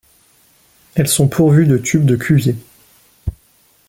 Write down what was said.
Elles sont pourvues de tubes de Cuvier.